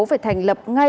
phải thành lập ngay